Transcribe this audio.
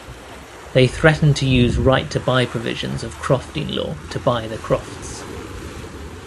They threatened to use right-to-buy provisions of crofting law to buy the crofts.